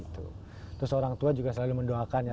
terus orang tua juga selalu mendoakan ya